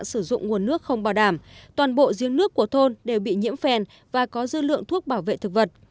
trong tình trạng sử dụng nguồn nước không bảo đảm toàn bộ riêng nước của thôn đều bị nhiễm phèn và có dư lượng thuốc bảo vệ thực vật